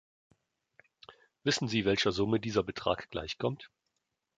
Wissen sie, welcher Summe dieser Betrag gleichkommt?